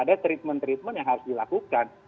ada treatment treatment yang harus dilakukan